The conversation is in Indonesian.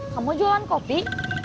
kamu jualan kopi